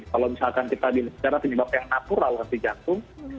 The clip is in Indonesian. kalau misalkan kita secara penyebab yang natural henti jantung